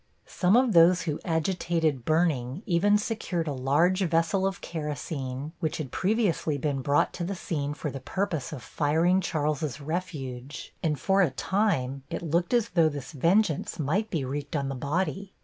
Some of those who agitated burning even secured a large vessel of kerosene, which had previously been brought to the scene for the purpose of firing Charles's refuge, and for a time it looked as though this vengeance might be wreaked on the body.